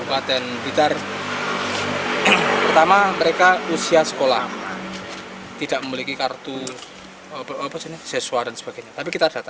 pertama mereka usia sekolah tidak memiliki kartu sesuara dan sebagainya